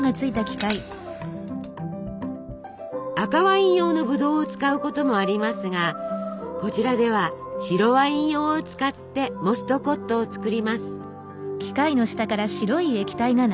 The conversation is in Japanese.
赤ワイン用のブドウを使うこともありますがこちらでは白ワイン用を使ってモストコットを作ります。